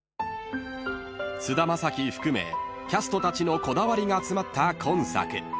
［菅田将暉含めキャストたちのこだわりが詰まった今作］